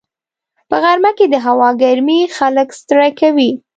په غرمه کې د هوا ګرمي خلک ستړي کوي